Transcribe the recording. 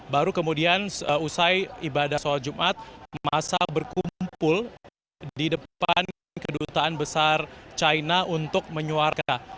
baru kemudian usai ibadah sholat jumat masa berkumpul di depan kedutaan besar china untuk menyuarka